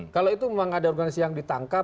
kalau itu memang ada organisasi yang ditangkap